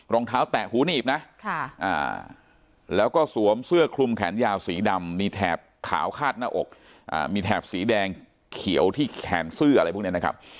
รองเท้าแตะหูหนีบนะแล้วก็สวมเสื้อคลุมแขนยาวสีดำมีแถบขาวคาดหน้าอกมีแถบสีแดงเขียวที่แขนเสื้ออะไรพวกนี้นะครับ